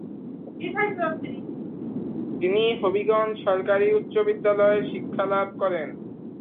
তিনি হবিগঞ্জ সরকারি উচ্চ বিদ্যালয়ে শিক্ষা লাভ করেন।